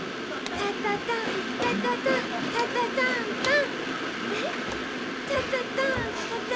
タタタンタタタンタタタンタン。